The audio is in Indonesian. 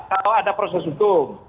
kalau ada proses hukum